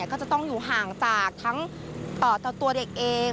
ก็จะต้องอยู่ห่างจากทั้งตัวเด็กเอง